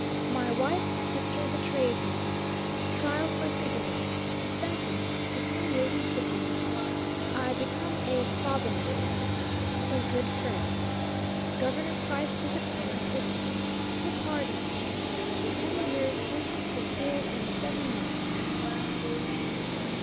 MY WIFE'S SISTER BETRAYS ME TRIAL FOR BIGAMY SENTENCED TO TEN YEARS IMPRISONMENT I BECOME A "BOBBIN BOY" A GOOD FRIEND GOVERNOR PRICE VISITS ME IN PRISON HE PARDONS ME TEN YEARS' SENTENCE FULFILLED IN SEVEN MONTHS.